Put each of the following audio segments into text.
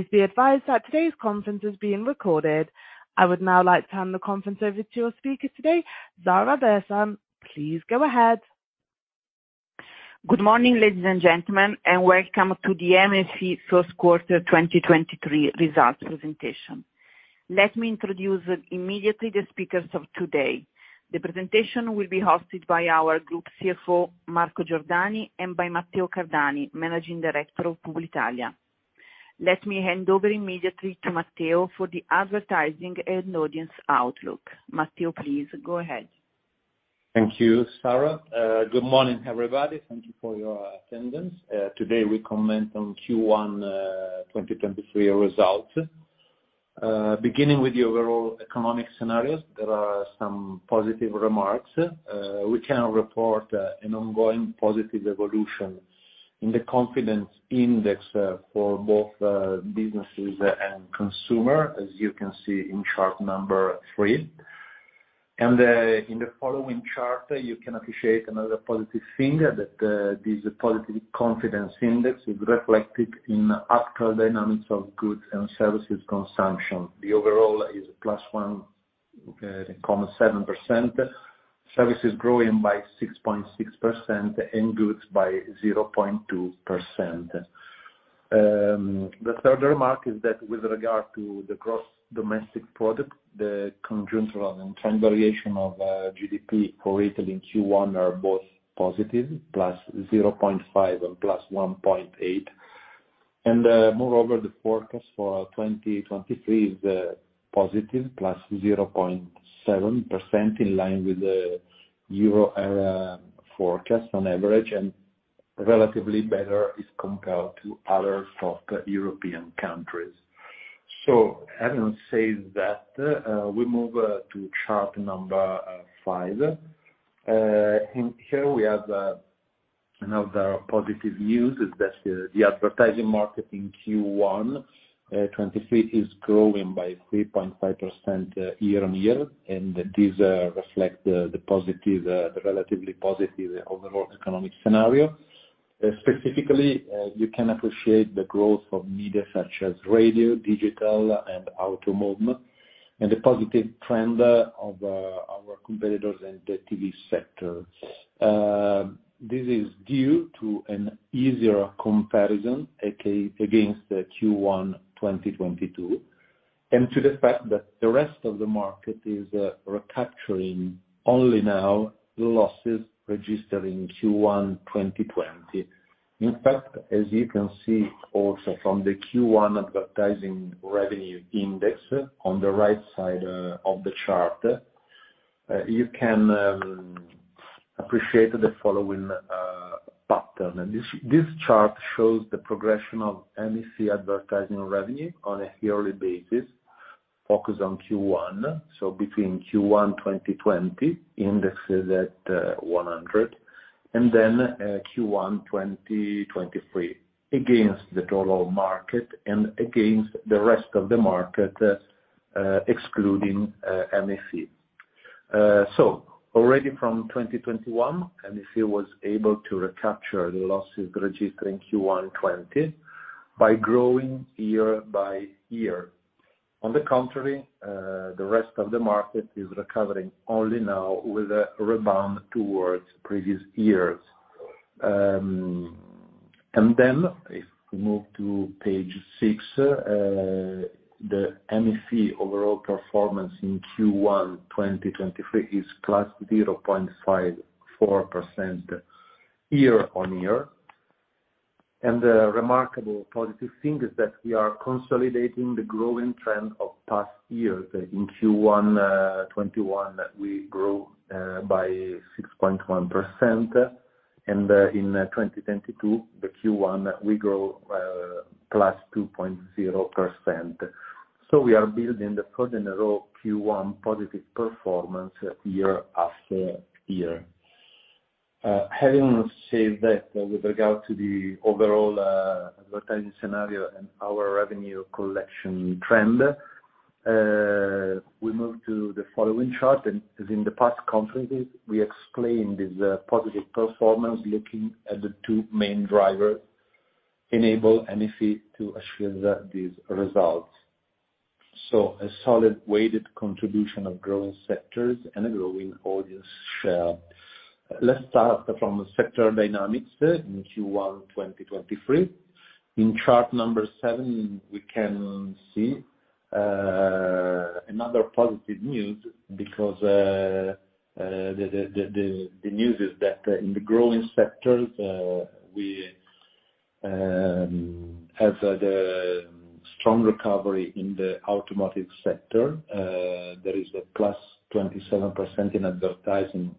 Please be advised that today's conference is being recorded. I would now like to hand the conference over to your speaker today, Sara Bersan. Please go ahead. Good morning, ladies and gentlemen, welcome to the MFE first quarter 2023 results presentation. Let me introduce immediately the speakers of today. The presentation will be hosted by our Group CFO, Marco Giordani, by Matteo Cardani, Managing Director of Publitalia. Let me hand over immediately to Matteo for the advertising and audience outlook. Matteo, please go ahead. Thank you, Sara. Good morning, everybody. Thank you for your attendance. Today, we comment on Q1 2023 results. Beginning with the overall economic scenarios, there are some positive remarks. We can report an ongoing positive evolution in the confidence index for both businesses and consumer, as you can see in chart number 3. In the following chart, you can appreciate another positive thing, that this positive confidence index is reflected in actual dynamics of goods and services consumption. The overall is +1.7%, services growing by 6.6%, and goods by 0.2%. The third remark is that with regard to the gross domestic product, the conjunctural and trend variation of GDP for Italy in Q1 are both positive, +0.5% and +1.8%. Moreover, the forecast for 2023 is positive, +0.7%, in line with the Euro area forecast on average, and relatively better is compared to other South European countries. Having said that, we move to chart number 5. Here we have another positive news is that the advertising market in Q1 2023 is growing by 3.5% year-on-year. These reflect the positive, the relatively positive overall economic scenario. Specifically, you can appreciate the growth of media such as radio, digital, and out of home, and the positive trend of our competitors in the TV sector. This is due to an easier comparison, aka against the Q1 2022, and to the fact that the rest of the market is recapturing only now losses registered in Q1 2020. In fact, as you can see also from the Q1 advertising revenue index on the right side of the chart, you can appreciate the following pattern. This chart shows the progression of MFE advertising revenue on a yearly basis, focused on Q1, so between Q1 2020, indexed at 100, and then Q1 2023, against the total market and against the rest of the market, excluding MFE. Already from 2021, MFE was able to recapture the losses registered in Q1 2020 by growing year by year. On the contrary, the rest of the market is recovering only now with a rebound towards previous years. If we move to page 6, the MFE overall performance in Q1 2023 is +0.54% year-on-year. The remarkable positive thing is that we are consolidating the growing trend of past years. In Q1 2021, we grew by 6.1%. In 2022, the Q1, we grow +2.0%. We are building the pro general Q1 positive performance year after year. Having said that, with regard to the overall advertising scenario and our revenue collection trend, we move to the following chart. As in the past conferences, we explained this positive performance looking at the two main drivers enable MFE to achieve these results. A solid weighted contribution of growing sectors and a growing audience share. Let's start from the sector dynamics in Q1 2023. In chart number 7, we can see another positive news because the news is that in the growing sectors, we have the strong recovery in the automotive sector. There is a +27% in advertising,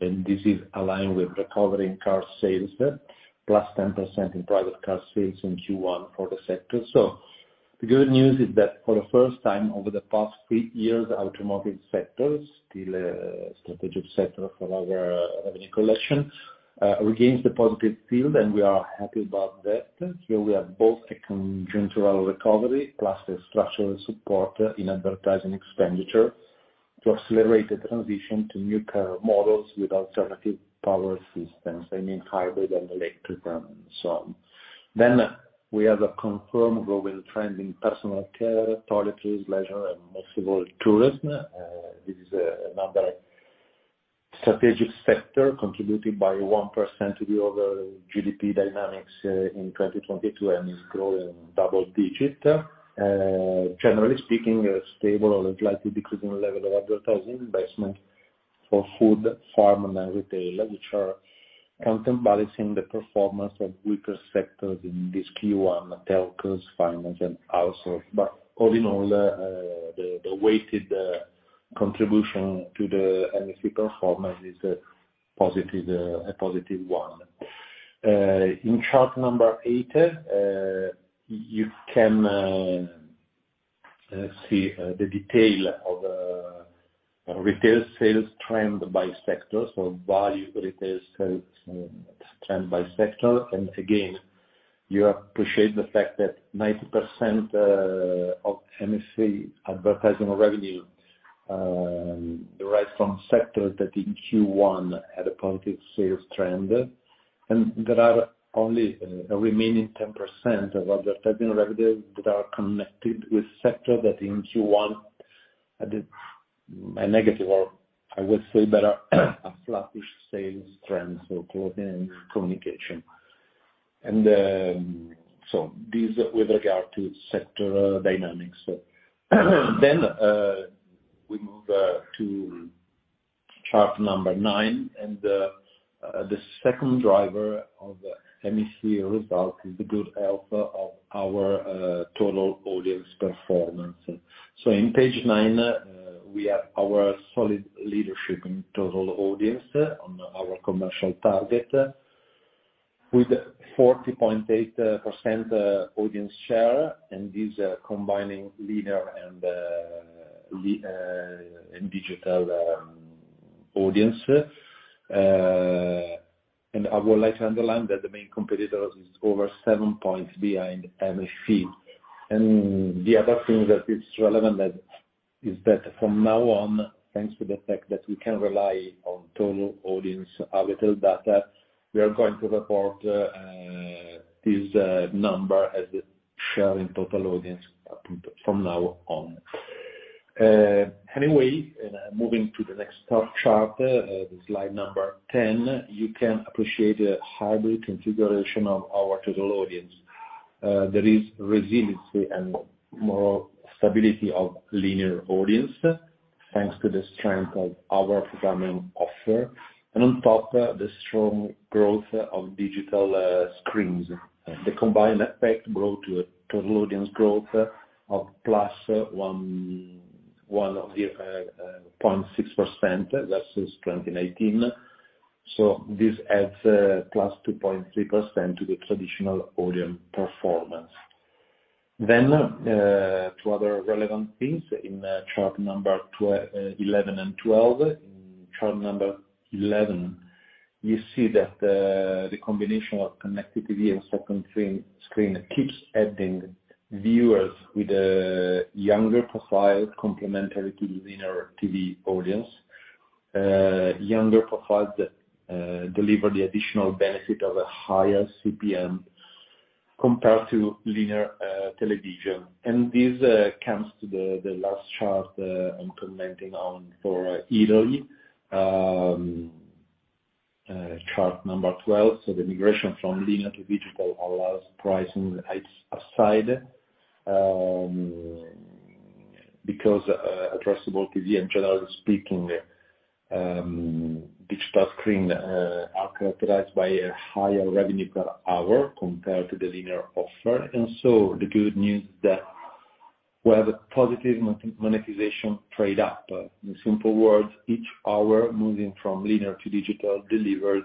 and this is aligned with recovery in car sales. +10% in private car sales in Q1 for the sector. The good news is that for the first time over the past 3 years, automotive sector, still a strategic sector for our revenue collection, regains the positive field, and we are happy about that. We have both a conjunctural recovery plus a structural support in advertising expenditure. To accelerate the transition to new car models with alternative power systems, I mean hybrid and electric and so on. We have a confirmed global trend in personal care, toiletries, leisure and most of all, tourism. This is another strategic sector contributing by 1% to the overall GDP dynamics in 2022 and is growing double-digit. Generally speaking, a stable or a slightly decreasing level of advertising investment for food, pharma and retail, which are counterbalancing the performance of weaker sectors in this Q1, telcos, finance and out of. All in all, the weighted contribution to the MSE performance is a positive, a positive one. In chart number 8, you can see the detail of retail sales trend by sector. Value retail sales trend by sector. Again, you appreciate the fact that 90% of MFE advertising revenue derives from sectors that in Q1 had a positive sales trend. There are only a remaining 10% of advertising revenue that are connected with sector that in Q1 had a negative, or I would say, but a flattish sales trend, so clothing and communication. This with regard to sector dynamics. We move to chart number nine. The second driver of MFE result is the good health of our Total Audience performance. In page nine, we have our solid leadership in Total Audience on our commercial target with 40.8% audience share, and these are combining linear and digital audience. I would like to underline that the main competitor is over 7 points behind MFE. The other thing that is relevant is that from now on, thanks to the fact that we can rely on Total Audience Auditel data, we are going to report this number as share in Total Audience from now on. Anyway, moving to the next chart, the slide number 10, you can appreciate the hybrid configuration of our Total Audience. There is resiliency and more stability of linear audience, thanks to the strength of our programming offer. On top, the strong growth of digital screens. The combined effect grow to a Total Audience growth of +1.6% versus 2019. This adds +2.3% to the traditional audience performance. To other relevant things in chart number 11 and 12. In chart number 11, you see that the combination of connected TV and second screen keeps adding viewers with a younger profile, complementary to linear TV audience. Younger profiles deliver the additional benefit of a higher CPM compared to linear television. This comes to the last chart I'm commenting on for Italy, chart number 12. The migration from linear to digital allows pricing aside because addressable TV, and generally speaking, digital screen are characterized by a higher revenue per hour compared to the linear offer. The good news that we have a positive monetization trade up. In simple words, each hour moving from linear to digital delivers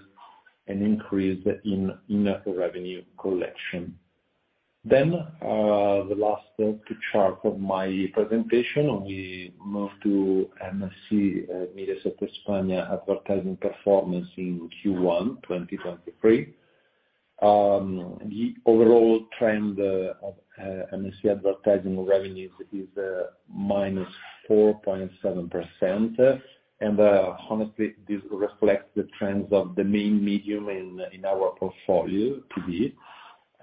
an increase in revenue collection. The last two chart of my presentation, we move to MSC, Mediaset España advertising performance in Q1 2023. The overall trend of MSC advertising revenues is -4.7%. Honestly, this reflects the trends of the main medium in our portfolio, TV.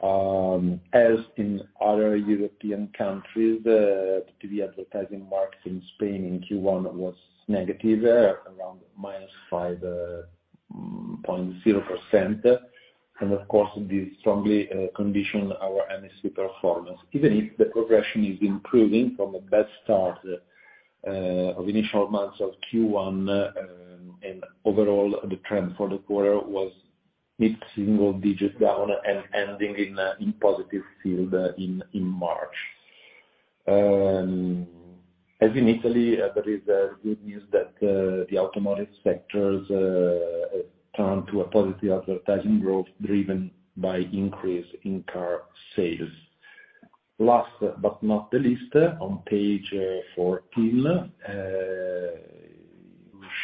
As in other European countries, the TV advertising market in Spain in Q1 was negative, around -5.0%. Of course, this strongly condition our MSC performance. Even if the progression is improving from a bad start of initial months of Q1, overall, the trend for the quarter was mid-single digits down and ending in a positive field in March. As in Italy, there is good news that the automotive sectors turn to a positive advertising growth driven by increase in car sales. Last but not the least, on page 14,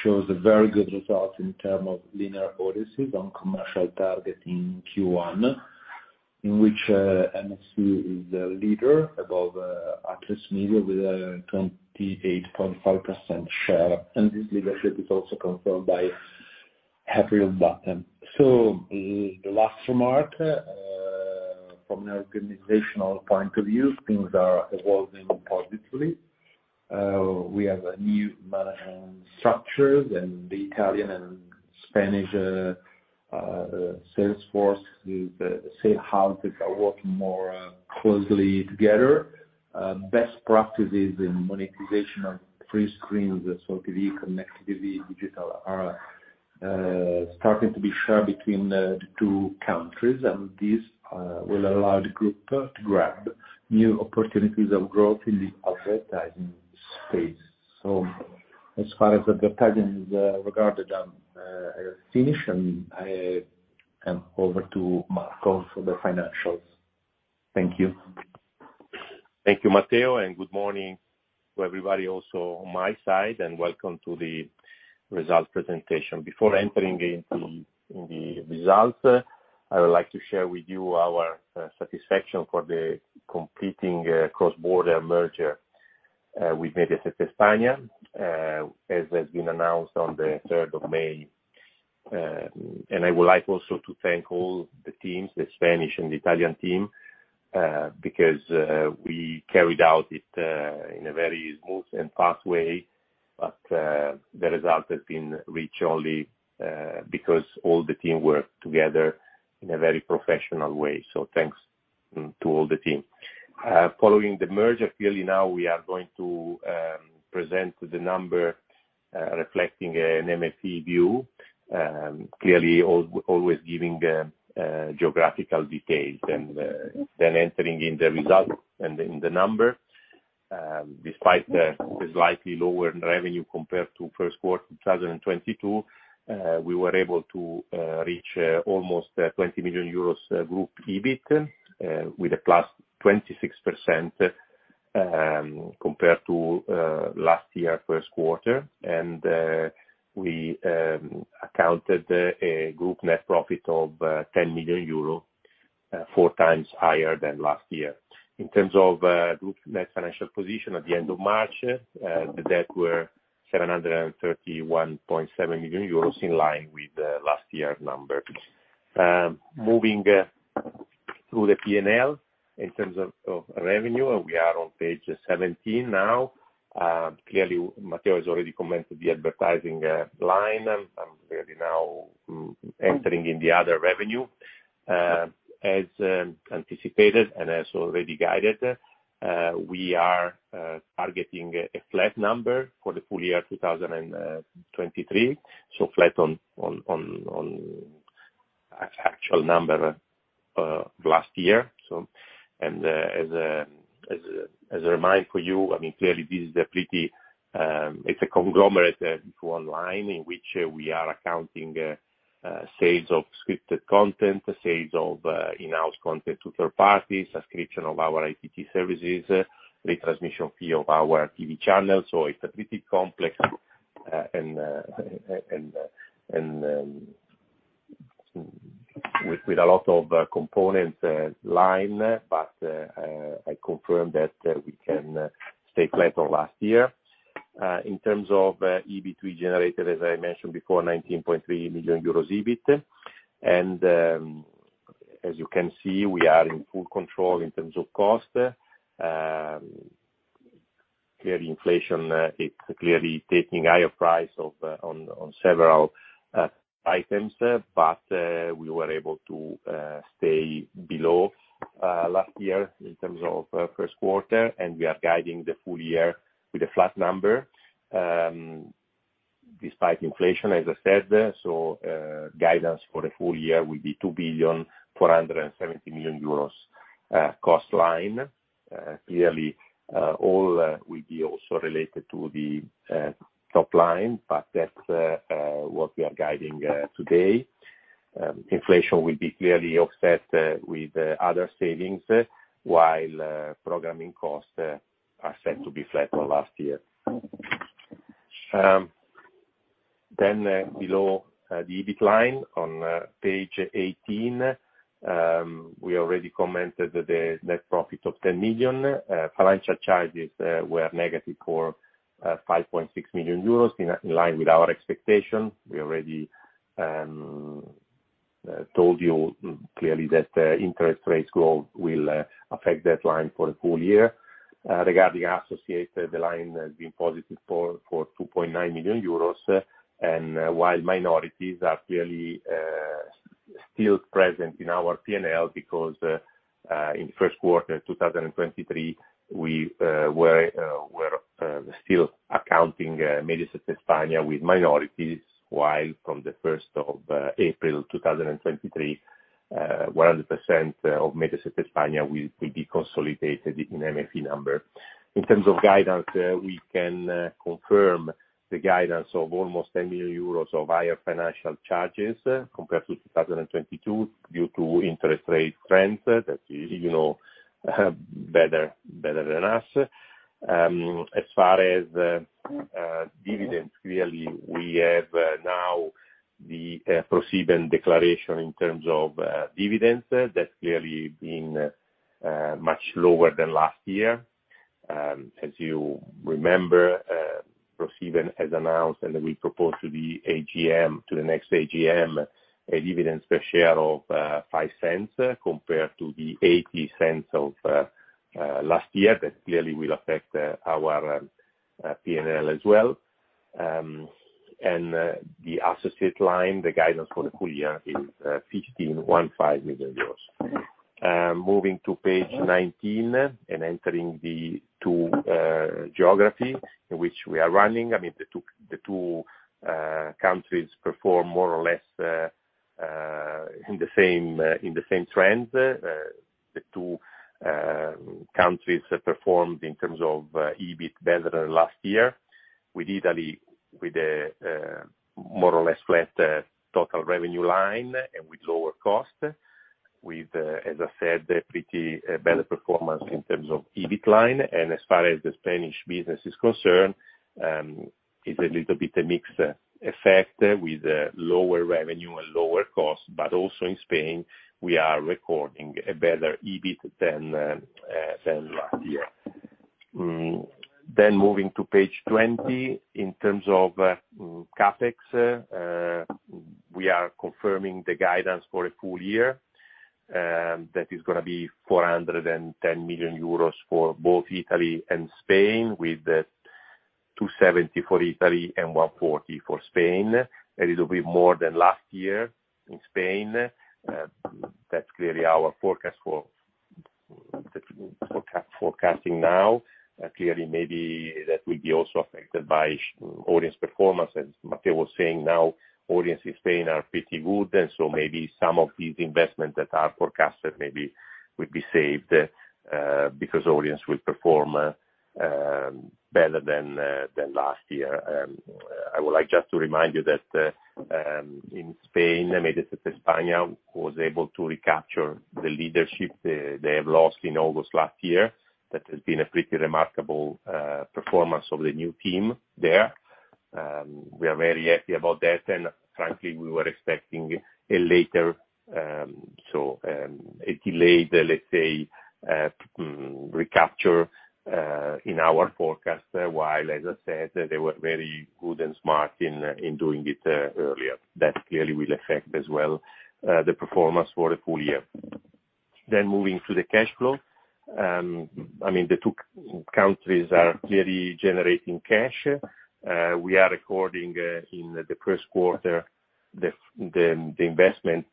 Shows a very good result in term of linear audiences on commercial target in Q1, in which MFE is the leader above Atresmedia with a 28.5% share. This leadership is also confirmed by April button. The last remark, from an organizational point of view, things are evolving positively. We have a new structure and the Italian and Spanish sales force with the sale houses are working more closely together. Best practices in monetization of free screens, so TV, connected TV, digital, are starting to be shared between the two countries. This will allow the group to grab new opportunities of growth in the advertising space. As far as advertising is regarded, I finished, and I hand over to Marco for the financials. Thank you. Thank you, Matteo. Good morning to everybody also on my side. Welcome to the results presentation. Before entering in the results, I would like to share with you our satisfaction for the completing cross-border merger with Mediaset España, as has been announced on the third of May. I would like also to thank all the teams, the Spanish and the Italian team, because we carried out it in a very smooth and fast way. The result has been rich only because all the team worked together in a very professional way. Thanks to all the team. Following the merger, clearly now we are going to present the number reflecting a Mediaset view, clearly always giving the geographical details and then entering in the results and in the numbers. Despite the slightly lower revenue compared to first quarter 2022, we were able to reach almost 20 million euros group EBIT with a +26% compared to last year, first quarter. We accounted a group net profit of 10 million euro, 4 times higher than last year. In terms of group net financial position at the end of March, the debt were 731.7 million euros, in line with last year's number. Moving through the P&L in terms of revenue, we are on page 17 now. Clearly Matteo has already commented the advertising line. I'm clearly now entering in the other revenue. As anticipated and as already guided, we are targeting a flat number for the full year 2023, flat on actual number last year. As a remind for you, I mean clearly It's a conglomerate for online, in which we are accounting sales of scripted content, sales of in-house content to third parties, subscription of our APT services, retransmission fee of our TV channel. It's a pretty complex and with a lot of components line. I confirm that we can stay flat on last year. In terms of EBIT we generated, as I mentioned before, 19.3 million euros EBIT. As you can see, we are in full control in terms of cost. Clearly inflation, it's clearly taking higher price of on several items, but we were able to stay below last year in terms of first quarter, and we are guiding the full year with a flat number despite inflation, as I said. Guidance for the full year will be 2.47 billion cost line. Clearly, all will be also related to the top line, but that's what we are guiding today. Inflation will be clearly offset with other savings, while programming costs are said to be flat on last year. Below the EBIT line on page 18, we already commented the net profit of 10 million. Financial charges were negative for 5.6 million euros, in line with our expectation. We already told you clearly that interest rates growth will affect that line for the full year. Regarding associated, the line has been positive for 2.9 million euros. While minorities are clearly still present in our P&L because in first quarter 2023 we were still accounting Mediaset España with minorities, while from the 1st of April 2023 100% of Mediaset España will be consolidated in Mediaset number. In terms of guidance, we can confirm the guidance of almost 10 million euros of higher financial charges compared to 2022 due to interest rate trends that you know better than us. As far as dividends, clearly we have now the ProSieben declaration in terms of dividends. That's clearly been much lower than last year. As you remember, ProSieben as announced, we propose to the next AGM, a dividend per share of 0.05 compared to 0.80 of last year. That clearly will affect our P&L as well. The associate line, the guidance for the full year is 15 million euros. Moving to page 19 and entering the two geography in which we are running. I mean, the two countries perform more or less in the same trend. The two countries performed in terms of EBIT better than last year, with Italy with a more or less flat total revenue line and with lower cost. With, as I said, a pretty better performance in terms of EBIT line. As far as the Spanish business is concerned, it's a little bit a mixed effect with lower revenue and lower costs. Also in Spain, we are recording a better EBIT than last year. Moving to page 20. In terms of CapEx, we are confirming the guidance for a full year, that is gonna be 410 million euros for both Italy and Spain, with 270 million for Italy and 140 million for Spain, a little bit more than last year in Spain. That's clearly our forecasting now. Clearly, maybe that will be also affected by audience performance. As Matteo was saying, now audience in Spain are pretty good, maybe some of these investments that are forecasted would be saved because audience will perform better than last year. I would like just to remind you that in Spain, Mediaset España was able to recapture the leadership they have lost in August last year. That has been a pretty remarkable performance of the new team there. We are very happy about that. Frankly, we were expecting a later, so, a delayed, let's say, recapture in our forecast. While as I said, they were very good and smart in doing it earlier. That clearly will affect as well the performance for the full year. Moving to the cash flow. I mean, the two countries are clearly generating cash. We are recording in the first quarter, the investment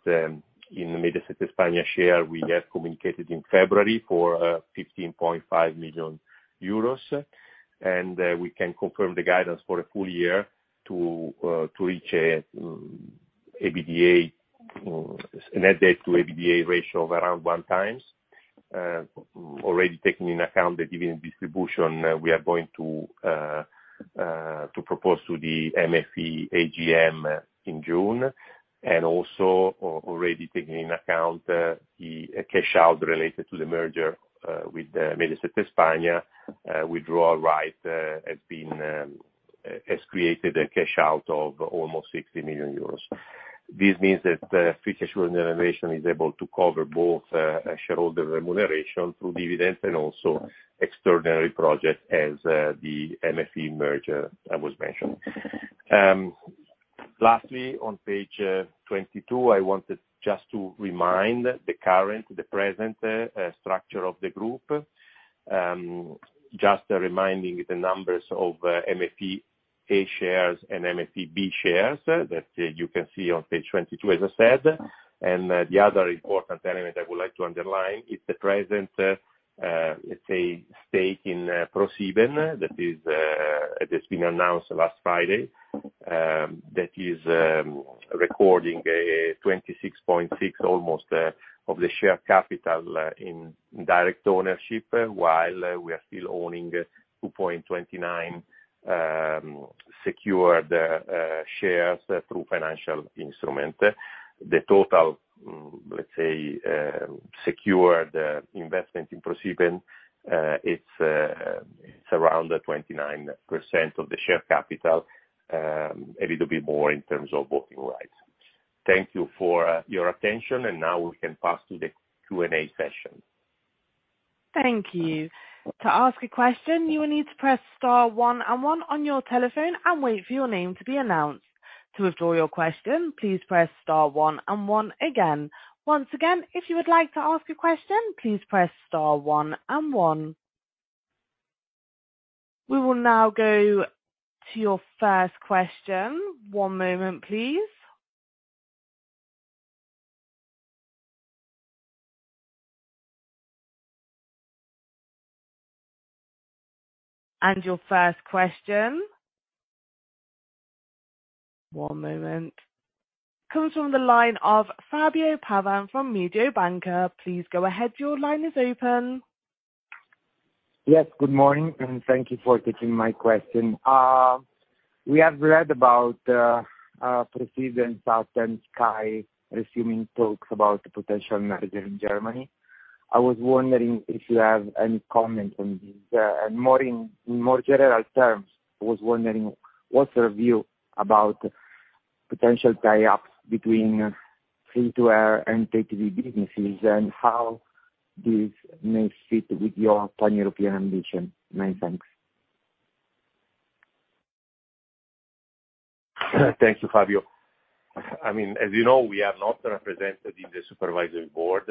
in Mediaset España share we have communicated in February for 15.5 million euros. We can confirm the guidance for a full year to reach EBITDA, a net debt to EBITDA ratio of around 1 times, already taking into account the dividend distribution we are going to propose to the MFE AGM in June. Also already taking into account the cash out related to the merger with Mediaset España withdrawal right has been has created a cash out of almost 60 million euros. This means that free cash flow generation is able to cover both shareholder remuneration through dividends and also extraordinary projects as the MFE merger that was mentioned. Lastly, on page 22, I wanted just to remind the present structure of the group. Just reminding the numbers of MFE A shares and MFE B shares that you can see on page 22, as I said. The other important element I would like to underline is the present, let's say stake in ProSieben. That is that's been announced last Friday. That is recording a 26.6 almost of the share capital in direct ownership, while we are still owning 2.29 secured shares through financial instrument. The total, let's say, secured investment in ProSieben, it's around 29% of the share capital, a little bit more in terms of voting rights. Thank you for your attention. Now we can pass to the Q&A session. Thank you. To ask a question, you will need to press star one and one on your telephone and wait for your name to be announced. To withdraw your question, please press star one and one again. Once again, if you would like to ask a question, please press star one and one. We will now go to your first question. One moment, please. Your first question. One moment. Comes from the line of Fabio Pavan from Mediobanca. Please go ahead. Your line is open. Yes, good morning, and thank you for taking my question. We have read about ProSiebenSat.1 Media SE resuming talks about the potential merger in Germany. I was wondering if you have any comment on this. More in more general terms, I was wondering, what's your view about potential tie-ups between free-to-air and pay TV businesses, and how this may fit with your pan-European ambition? Many thanks. Thank you, Fabio. I mean, as you know, we are not represented in the supervisory board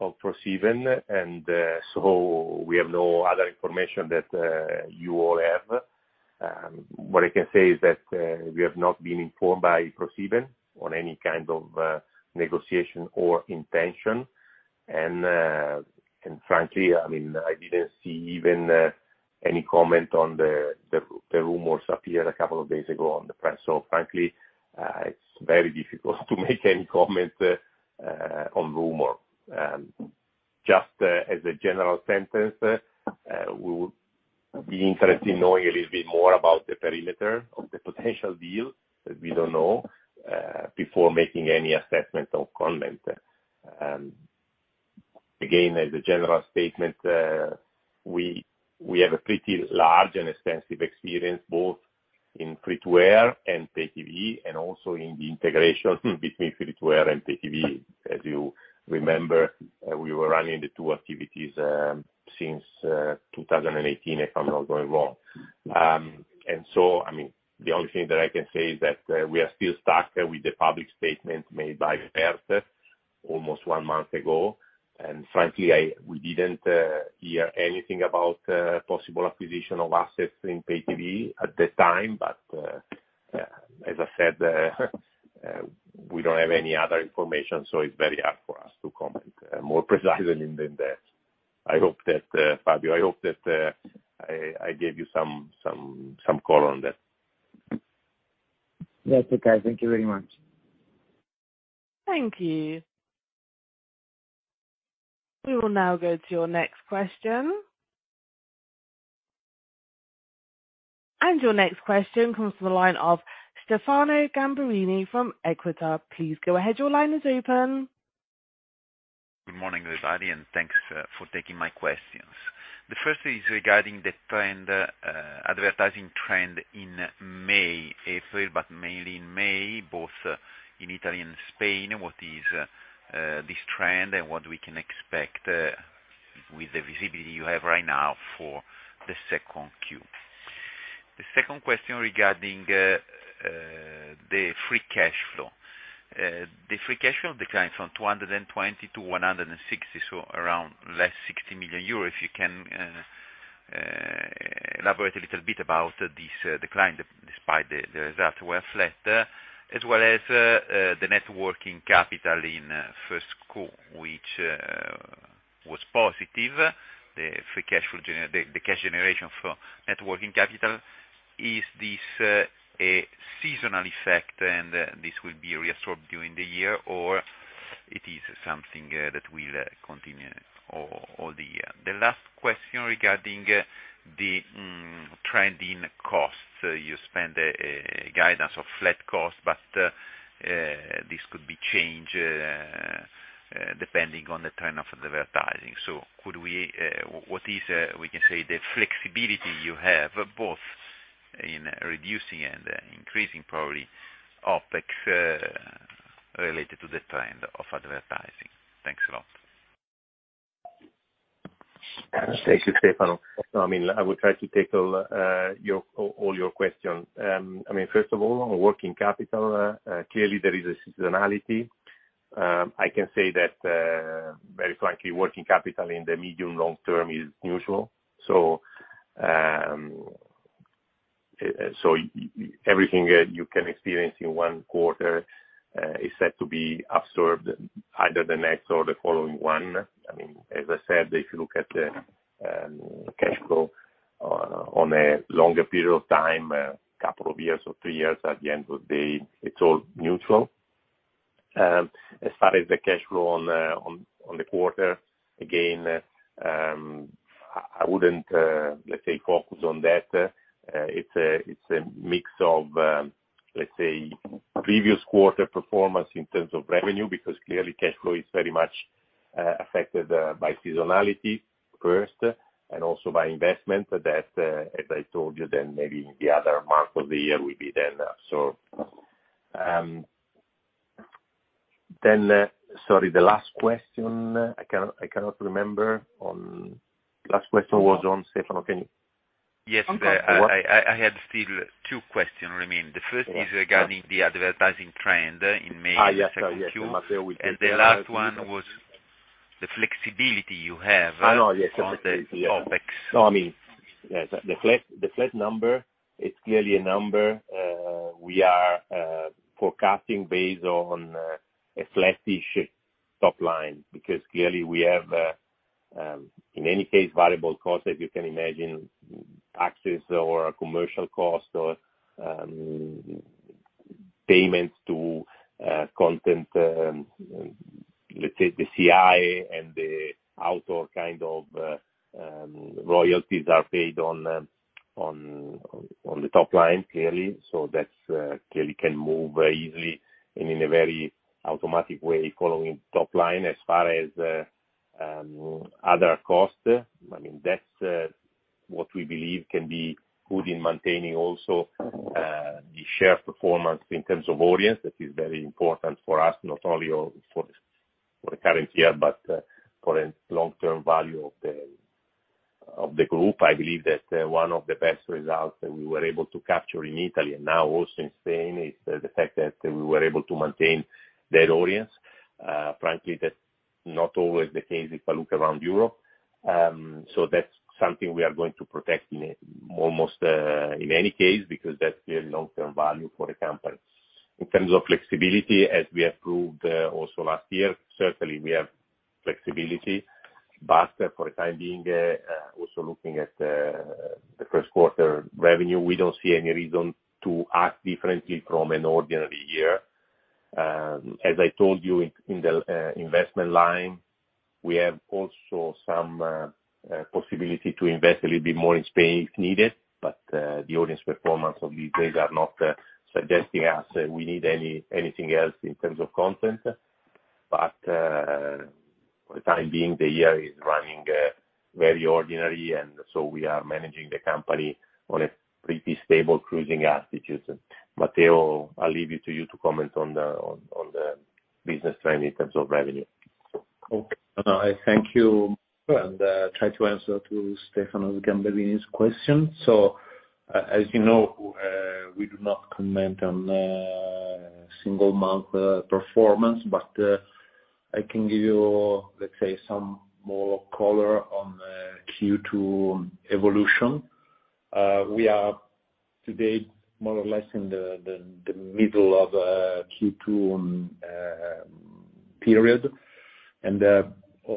of ProSieben. We have no other information that you all have. What I can say is that we have not been informed by ProSieben on any kind of negotiation or intention. Frankly, I mean, I didn't see even any comment on the rumors appeared a couple of days ago on the press. Frankly, it's very difficult to make any comment on rumor. Just as a general sentence, we would be interested in knowing a little bit more about the perimeter of the potential deal that we don't know before making any assessment or comment. Again, as a general statement, we have a pretty large and extensive experience both in free-to-air and pay TV and also in the integration between free-to-air and pay TV. As you remember, we were running the two activities since 2018, if I'm not going wrong. I mean, the only thing that I can say is that we are still stuck with the public statement made by ProSieben almost one month ago. Frankly, we didn't hear anything about possible acquisition of assets in pay TV at the time. As I said, we don't have any other information, so it's very hard for us to comment more precisely than that. I hope that, Fabio, I hope that, I gave you some call on that. That's okay. Thank you very much. Thank you. We will now go to your next question. Your next question comes from the line of Stefano Gamberini from Equita. Please go ahead, your line is open. Good morning, everybody, and thanks for taking my questions. The first is regarding the trend, advertising trend in May, April, but mainly in May, both in Italy and Spain. What is this trend and what we can expect with the visibility you have right now for the 2Q? The second question regarding the free cash flow. The free cash flow declines from 220 million to 160 million, so around less 60 million euros. If you can elaborate a little bit about this decline despite the results were flat, as well as the net working capital in first co, which was positive, the free cash flow the cash generation for net working capital. Is this a seasonal effect and this will be reabsorbed during the year, or it is something that will continue all the year? The last question regarding the trend in costs. You spent a guidance of flat costs, but this could be changed depending on the trend of advertising. What is we can say the flexibility you have, both in reducing and increasing probably OpEx related to the trend of advertising? Thanks a lot. Thank you, Stefano. I mean, I will try to tackle your, all your questions. I mean, first of all, on working capital, clearly there is a seasonality. I can say that, very frankly, working capital in the medium long term is neutral. Everything that you can experience in one quarter is set to be absorbed either the next or the following one. I mean, as I said, if you look at the cash flow on a, on a longer period of time, a couple of years or three years, at the end of the day, it's all neutral. As far as the cash flow on, on the quarter, again, I wouldn't, let's say, focus on that. It's a, it's a mix of, let's say, previous quarter performance in terms of revenue, because clearly cash flow is very much affected by seasonality first and also by investment that, as I told you then, maybe in the other months of the year will be then. Sorry, the last question, I cannot remember on. Last question was on, Stefano, can you. Yes. On what? I had still two questions remaining. The first is regarding the advertising trend in May- Yes. The last one was the flexibility you have... I know, yes. -on the OpEx. I mean, yes, the flat number is clearly a number we are forecasting based on a flattish top line, because clearly we have in any case, variable costs, as you can imagine, access or commercial costs or Payments to content, let's say, the CI and the outdoor kind of royalties are paid on the top line, clearly. That clearly can move easily and in a very automatic way following top line. As far as other costs, I mean, that's what we believe can be good in maintaining also the share performance in terms of audience. That is very important for us, not only for the current year, but for a long-term value of the group. I believe that one of the best results that we were able to capture in Italy, now also in Spain, is the fact that we were able to maintain that audience. Frankly, that's not always the case if I look around Europe. That's something we are going to protect almost in any case because that's their long-term value for the company. In terms of flexibility, as we have proved also last year, certainly we have flexibility. For the time being, also looking at the first quarter revenue, we don't see any reason to act differently from an ordinary year. I told you in the investment line, we have also some possibility to invest a little bit more in Spain if needed. The audience performance of these days are not suggesting us that we need anything else in terms of content. For the time being, the year is running very ordinary, and so we are managing the company on a pretty stable cruising attitude. Matteo, I'll leave you to comment on the business trend in terms of revenue. Okay. I thank you, try to answer to Stefano Gamberini's question. As you know, we do not comment on single month performance, but I can give you, let's say, some more color on Q2 evolution. We are today more or less in the middle of Q2 period.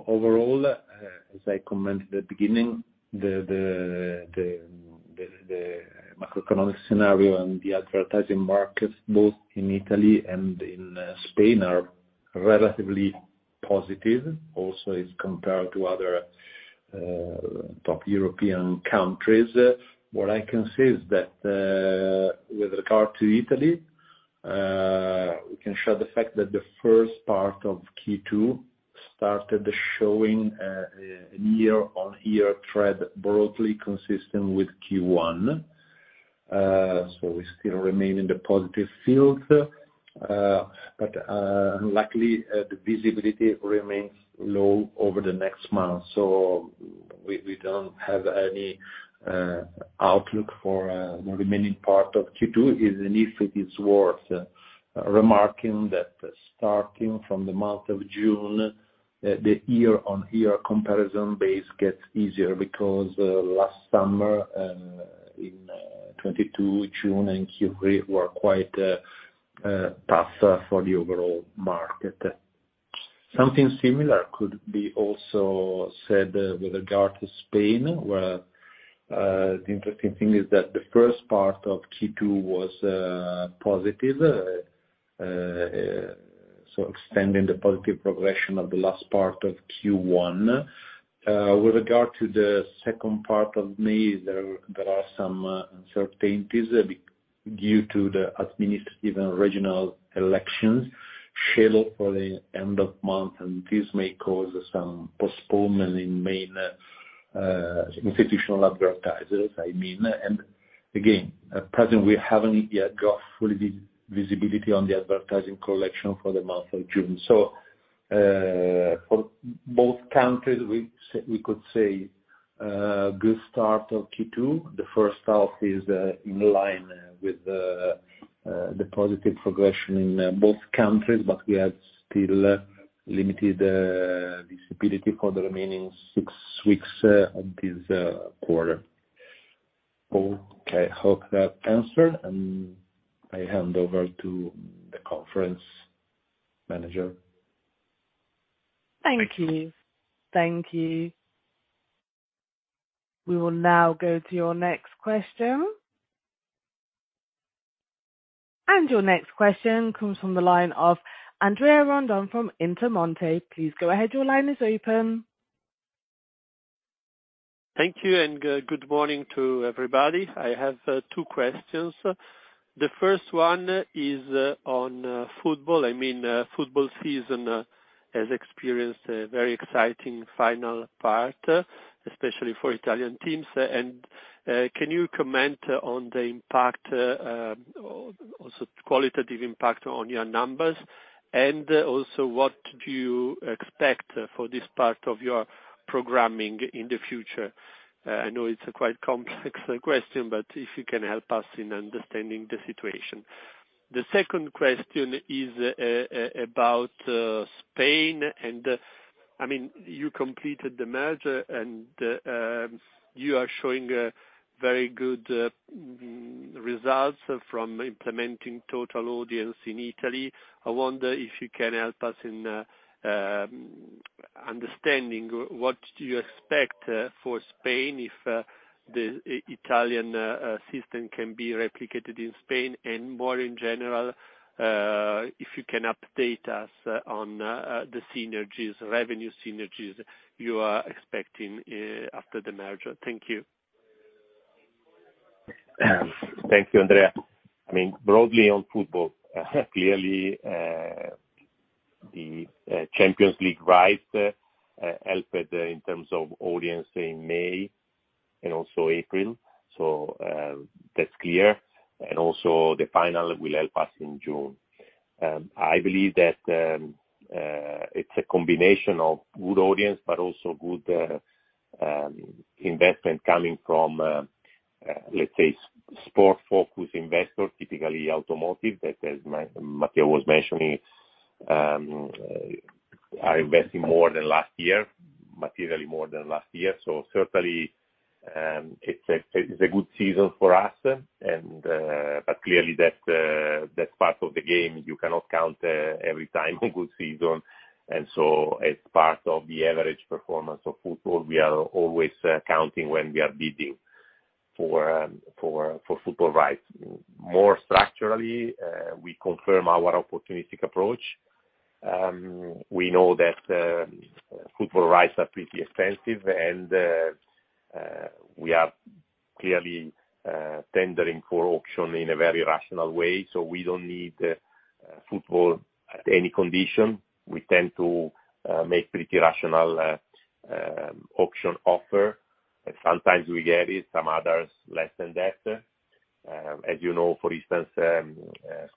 Overall, as I commented at the beginning, the macroeconomic scenario and the advertising markets both in Italy and in Spain are relatively positive, also as compared to other top European countries. What I can say is that with regard to Italy, we can share the fact that the first part of Q2 started showing an year-on-year trend broadly consistent with Q1. We still remain in the positive field, but luckily, the visibility remains low over the next month. We don't have any outlook for the remaining part of Q2, even if it is worth remarking that starting from the month of June, the year-on-year comparison base gets easier because last summer, in 2022 June and Q3 were quite tough for the overall market. Something similar could be also said with regard to Spain, where the interesting thing is that the first part of Q2 was positive, extending the positive progression of the last part of Q1. With regard to the second part of May, there are some uncertainties due to the administrative and regional elections scheduled for the end of month, and this may cause some postponement in main institutional advertisers, I mean. At present, we haven't yet got fully visibility on the advertising collection for the month of June. For both countries, we could say good start of Q2. The first half is in line with the positive progression in both countries, but we have still limited visibility for the remaining 6 weeks of this quarter. Okay, I hope that answered, and I hand over to the conference manager. Thank you. Thank you. We will now go to your next question. Your next question comes from the line of Andrea Randone from Intermonte. Please go ahead, your line is open. Thank you. Good morning to everybody. I have two questions. The first one is on football. I mean, football season has experienced a very exciting final part, especially for Italian teams. Can you comment on the impact, also qualitative impact on your numbers? Also what do you expect for this part of your programming in the future? I know it's a quite complex question, but if you can help us in understanding the situation. The second question is about Spain and, I mean, you completed the merger and, you are showing a very good results from implementing Total Audience in Italy. I wonder if you can help us in understanding what do you expect for Spain, if the Italian system can be replicated in Spain, and more in general, if you can update us on the synergies, revenue synergies you are expecting after the merger? Thank you. Thank you, Andrea. I mean, broadly on football, clearly, the Champions League rights helped in terms of audience in May and also April. That's clear. The final will help us in June. I believe that it's a combination of good audience, but also good investment coming from, let's say sport-focused investors, typically automotive, that as Matteo was mentioning, are investing more than last year, materially more than last year. Certainly, it's a good season for us and clearly that's part of the game. You cannot count every time a good season. As part of the average performance of football, we are always counting when we are bidding for football rights. More structurally, we confirm our opportunistic approach. We know that football rights are pretty expensive and we are clearly tendering for auction in a very rational way. We don't need football at any condition. We tend to make pretty rational auction offer. Sometimes we get it, some others less than that. As you know, for instance,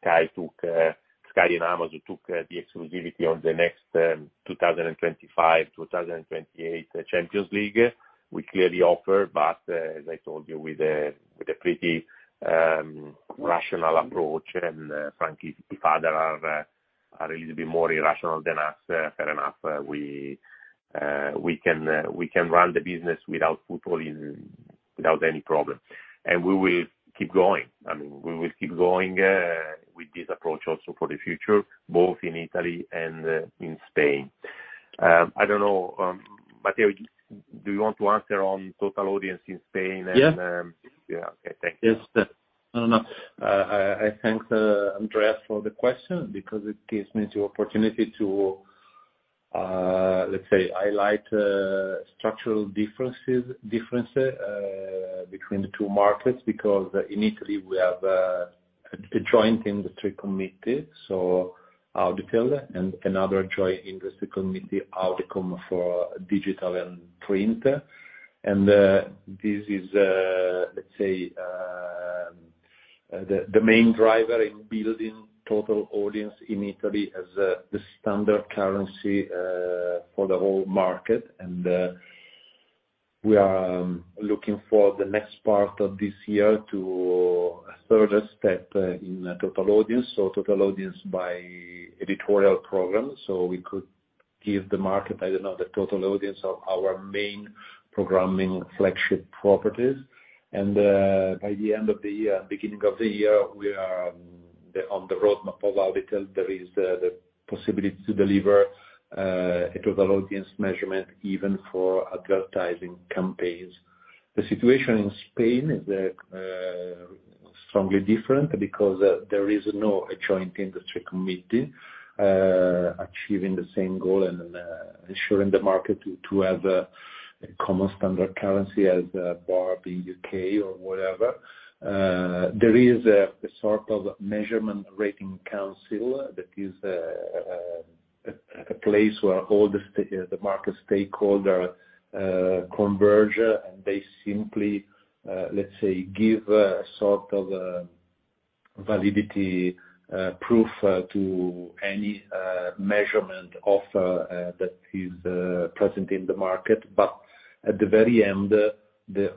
Sky took Sky and Amazon took the exclusivity on the next 2025-2028 Champions League. We clearly offer, but as I told you, with a pretty rational approach. Frankly, if other are a little bit more irrational than us, fair enough. We can run the business without football in, without any problem. We will keep going. I mean, we will keep going, with this approach also for the future, both in Italy and in Spain. I don't know, Matteo, do you want to answer on Total Audience in Spain and? Yeah. Yeah. Okay, thank you. Yes. No, no. I thank Andrea for the question because it gives me the opportunity to, let's say highlight structural differences between the two markets, because in Italy we have a joint industry committee, so Auditel, and another joint industry committee, Audicom, for digital and print. This is, let's say, the main driver in building Total Audience in Italy as the standard currency for the whole market. We are looking for the next part of this year to a further step in Total Audience, so Total Audience by editorial program. So we could give the market, I don't know, the Total Audience of our main programming flagship properties. By the end of the year, beginning of the year, we are on the roadmap of Auditel, there is the possibility to deliver a total audience measurement even for advertising campaigns. The situation in Spain is strongly different because there is no joint industry committee achieving the same goal and ensuring the market to have a common standard currency as Barb in UK or whatever. There is a sort of Media Rating Council that is a place where all the market stakeholder converge. They simply let's say give a sort of validity proof to any measurement offer that is present in the market. At the very end, the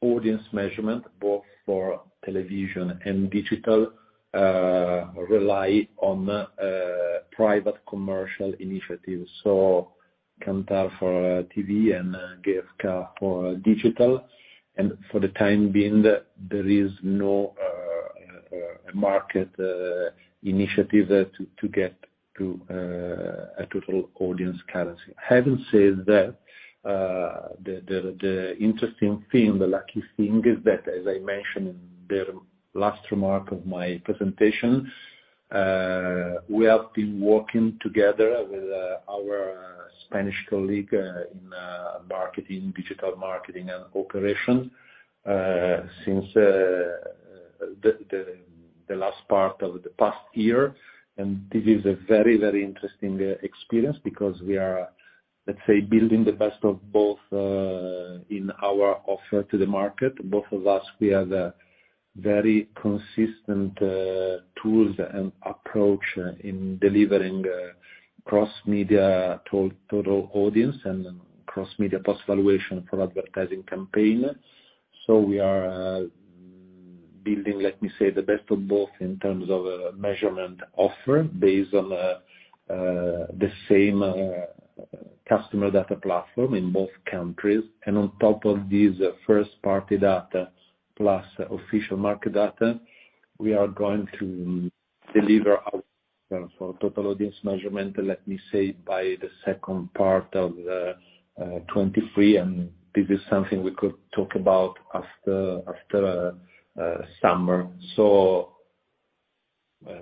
audience measurement, both for television and digital, rely on private commercial initiatives, so Kantar for TV and GfK for digital. For the time being, there is no market initiative to get to a Total Audience currency. Having said that, the interesting thing, the lucky thing is that, as I mentioned in the last remark of my presentation, we have been working together with our Spanish colleague in marketing, digital marketing and operation since the last part of the past year. This is a very, very interesting experience because we are, let's say, building the best of both in our offer to the market. Both of us, we have a very consistent tools and approach in delivering cross-media Total Audience and cross-media post valuation for advertising campaign. We are building, let me say, the best of both in terms of measurement offer based on the same customer data platform in both countries. On top of this first-party data plus official market data, we are going to deliver our Total Audience measurement, let me say by the second part of 2023, and this is something we could talk about after summer.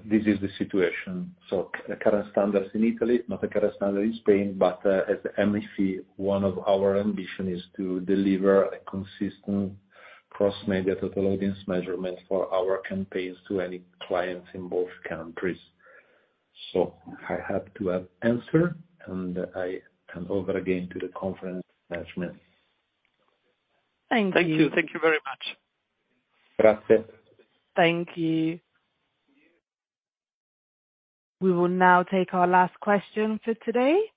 This is the situation. The current standards in Italy, not the current standard in Spain, but as MFE, one of our ambition is to deliver a consistent cross-media Total Audience measurement for our campaigns to any clients in both countries. I have to answer, and I hand over again to the conference management. Thank you. Thank you. Thank you very much. Grazie. Thank you. We will now take our last question for today.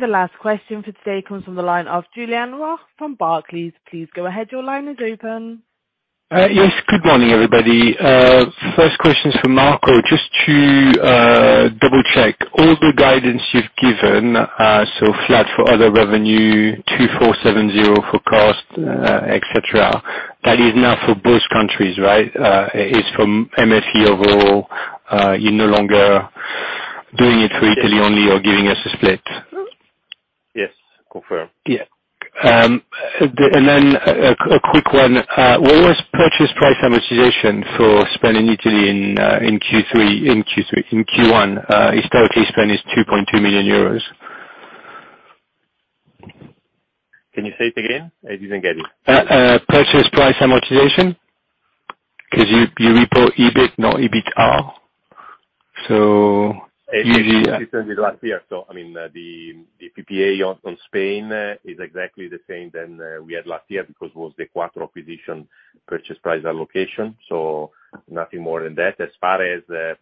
The last question for today comes from the line of Julien Roch from Barclays. Please go ahead. Your line is open. Yes. Good morning, everybody. First question is for Marco. Just to double-check, all the guidance you've given, so flat for other revenue, 2,470 for cost, et cetera, that is now for both countries, right? It's from MFE overall, you're no longer doing it for Italy only or giving us a split. Yes. Confirm. Yeah. Then a quick one. What was purchase price amortization for spend in Italy in Q3, in Q1? Historically spend is 2.2 million euros. Can you say it again? I didn't get it. Purchase price amortization. 'Cause you report EBIT, not EBITR. Usually. It's consistent with last year. I mean, the PPA on Spain is exactly the same than we had last year because it was the Quattro acquisition purchase price allocation. Nothing more than that. As far as the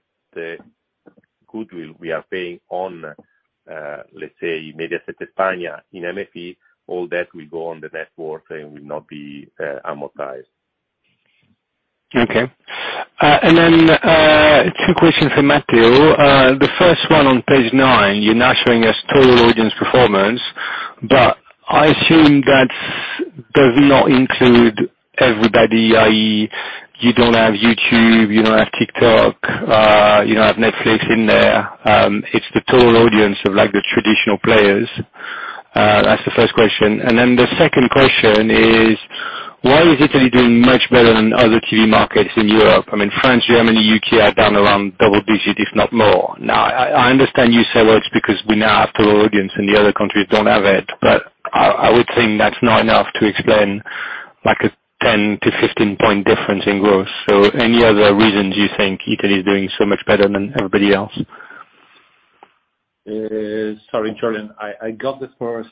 goodwill we are paying on, let's say Mediaset España in MFE, all that will go on the network and will not be amortized. Okay. Two questions for Matteo. The first one on page 9, you're now showing us total audience performance, but I assume does not include everybody, i.e. you don't have YouTube, you don't have TikTok, you don't have Netflix in there. It's the total audience of, like, the traditional players. That's the first question. The second question is why is Italy doing much better than other key markets in Europe? I mean, France, Germany, U.K. are down around double-digit, if not more. I understand you say, well, it's because we now have total audience and the other countries don't have it, but I would think that's not enough to explain, like, a 10-15 point difference in growth. Any other reasons you think Italy is doing so much better than everybody else? Sorry, Julian, I got the first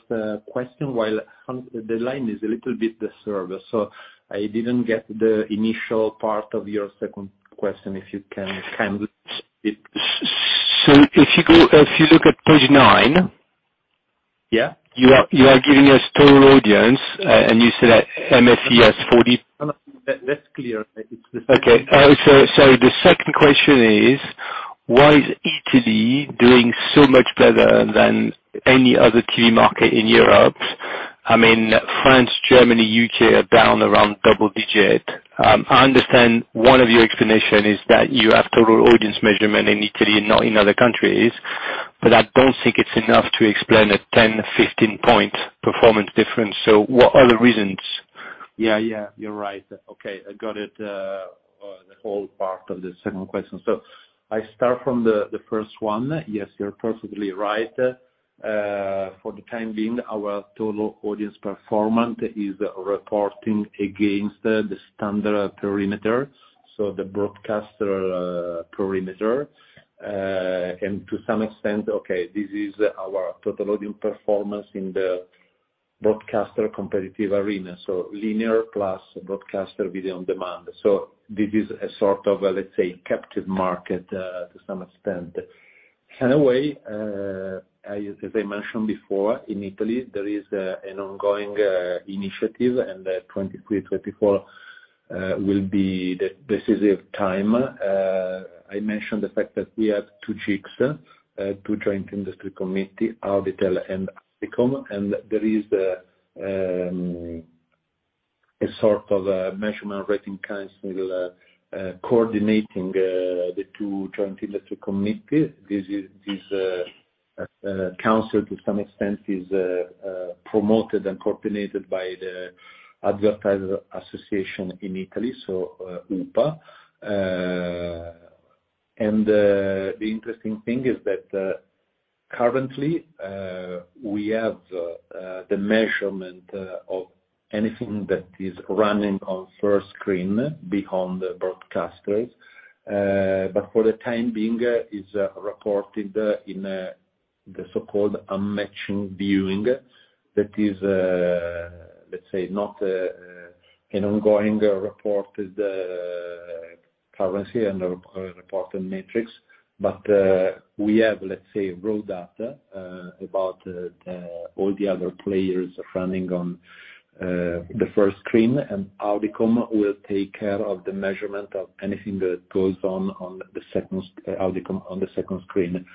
question. While on the line is a little bit disturbed, so I didn't get the initial part of your second question. If you can kind of... If you look at page 9. Yeah.... you are giving us Total Audience, and you said at MFE has. No, no. That's clear. It's the second- Okay. The second question is why is Italy doing so much better than any other key market in Europe? I mean, France, Germany, UK are down around double digit. I understand one of your explanation is that you have total audience measurement in Italy and not in other countries, I don't think it's enough to explain a 10, 15 point performance difference. What are the reasons? Yeah, yeah. You're right. Okay. I got it, the whole part of the second question. I start from the first one. Yes, you're perfectly right. For the time being, our Total Audience performance is reporting against the standard perimeter, so the broadcaster perimeter. To some extent, okay, this is our Total Audience performance in the broadcaster competitive arena, so linear plus broadcaster video on demand. This is a sort of, let's say, captive market to some extent. In a way, as I mentioned before, in Italy, there is an ongoing initiative, 2023, 2024 will be the decisive time. I mentioned the fact that we have two JICs, two joint industry committees, Auditel and Audicom. There is a sort of a Media Rating Council coordinating the two joint industry committees. This is, this council to some extent is promoted and coordinated by the Advertiser Association in Italy, so UPA. The interesting thing is that currently we have the measurement of anything that is running on first screen beyond the broadcasters. For the time being, it's reported in the so-called unmatched viewing. That is, let's say, not an ongoing reported currency and a reported matrix. We have, let's say, raw data about all the other players running on the first screen, and Audicom will take care of the measurement of anything that goes on on the second screen.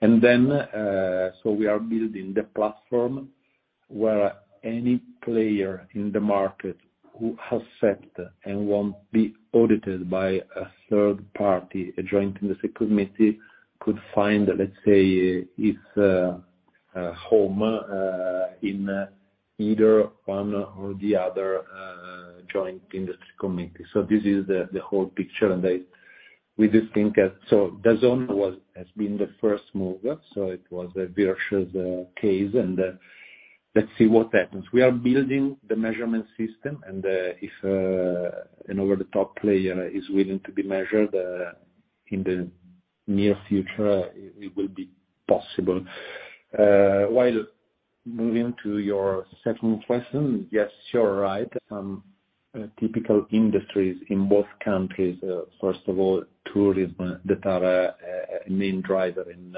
We are building the platform where any player in the market who has set and won't be audited by a third party, a joint industry committee, could find, let's say, its home in either one or the other joint industry committee. This is the whole picture and we just think that DAZN has been the first mover, so it was a virtual case, and let's see what happens. We are building the measurement system. If an over-the-top player is willing to be measured in the near future, it will be possible. While moving to your second question, yes, you're right. Typical industries in both countries, first of all, tourism that are a main driver in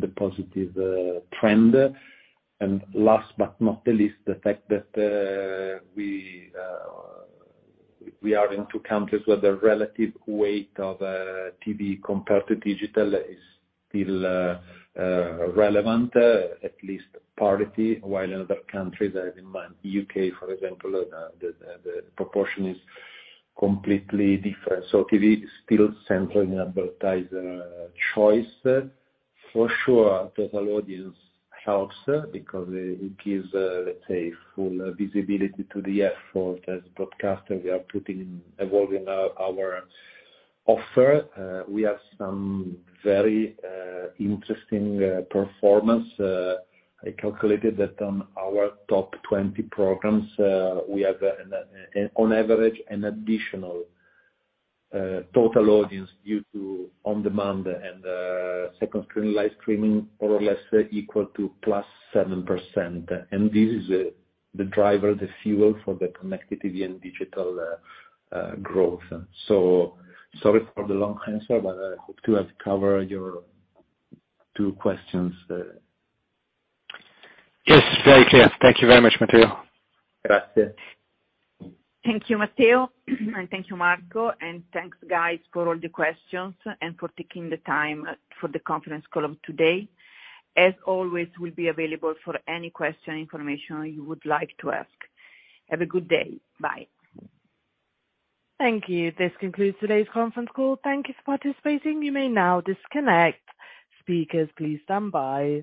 the positive trend. Last but not the least, the fact that we are in two countries where the relative weight of TV compared to digital is still relevant, at least parity, while in other countries, I have in mind UK, for example, the proportion is completely different. TV is still central in advertiser choice. For sure, total audience helps because it gives, let's say, full visibility to the effort as a broadcaster we are putting evolving our offer. We have some very interesting performance. I calculated that on our top 20 programs, we have on average an additional Total Audience due to on-demand and second screen live streaming more or less equal to +7%. This is the driver, the fuel for the connected TV and digital growth. Sorry for the long answer, but I hope to have covered your 2 questions. Yes. Very clear. Thank you very much, Matteo. Grazie. Thank you, Matteo, and thank you, Marco. Thanks guys for all the questions and for taking the time for the conference call of today. As always, we'll be available for any question, information you would like to ask. Have a good day. Bye. Thank you. This concludes today's conference call. Thank you for participating. You may now disconnect. Speakers, please stand by.